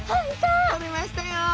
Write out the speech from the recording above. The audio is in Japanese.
とれましたよ！